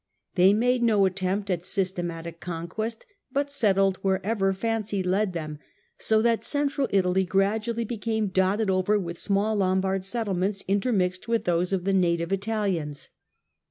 They made no attempt at systematic conquest, but settled wherever fancy led them, so that Central Italy gradually became dotted over with small Lombard settlements, intermixed with those of the native Italians.